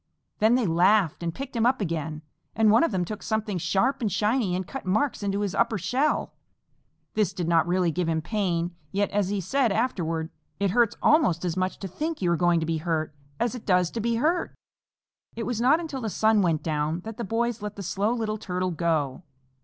Then they laughed and picked him up again, and one of them took something sharp and shiny and cut marks into his upper shell. This did not really give him pain, yet, as he said afterward, "It hurts almost as much to think you are going to be hurt, as it does to be hurt." It was not until the sun went down that the boys let the Slow Little Turtle go.